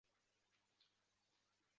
该楼现为武汉市文化市场管理中心。